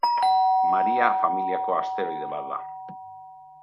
Maria familiako asteroide bat da.